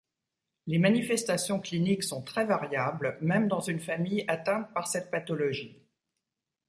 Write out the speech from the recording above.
Les manifestations cliniques sont très variables même dans une famille atteinte par cette pathologie.